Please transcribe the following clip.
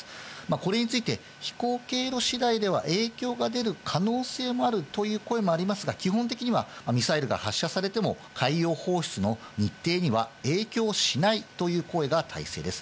これについて、飛行経路しだいでは影響が出る可能性もあるという声もありますが、基本的には、ミサイルが発射されても、海洋放出の日程には影響しないという声が大勢です。